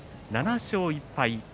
７勝１敗。